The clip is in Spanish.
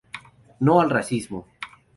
No al Racismo!